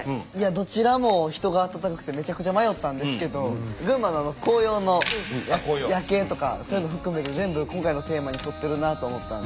どちらも人が温かくてめちゃくちゃ迷ったんですけど群馬の紅葉の夜景とかそういうのを含めて全部今回のテーマに沿ってるなと思ったんで。